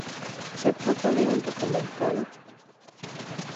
Se trata de un documental.